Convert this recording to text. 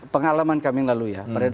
pengalaman kami yang lalu ya